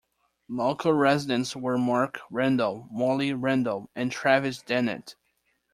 Local Residents were Mark Randall, Molly Randall, and Travis Dennett.